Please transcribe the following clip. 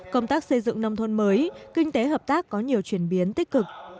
công tác xây dựng nông thôn mới kinh tế hợp tác có nhiều chuyển biến tích cực